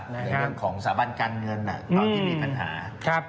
ในเรื่องของสถาบันการเงินตอนที่มีปัญหา